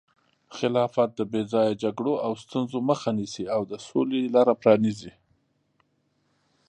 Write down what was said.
خلافت د بې ځایه جګړو او ستونزو مخه نیسي او د سولې لاره پرانیزي.